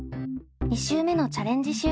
２週目のチャレンジ